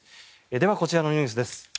では、こちらのニュースです。